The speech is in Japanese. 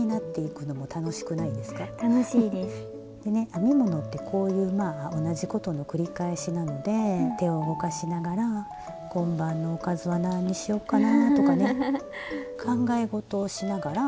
編み物ってこういうまあ同じことの繰り返しなので手を動かしながら「今晩のおかずは何にしようかな」とかね考え事をしながら。